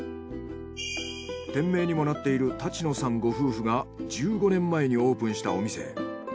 店名にもなっている立野さんご夫婦が１５年前にオープンしたお店。